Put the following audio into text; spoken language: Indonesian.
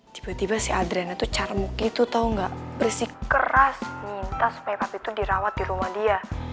tiba tiba si adrena tuh caramuk gitu tau gak berisi keras minta supaya papi tuh dirawat di rumah dia